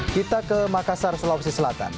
kita ke makassar sulawesi selatan